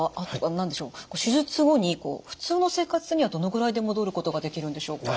何でしょう手術後に普通の生活にはどのぐらいで戻ることができるんでしょうか？